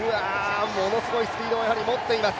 ものすごいスピードを持っています。